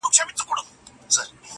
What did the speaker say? چي ستا گېډي او بچیو ته په کار وي،